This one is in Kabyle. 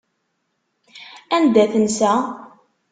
Anda tensa?